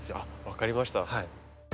分かりました。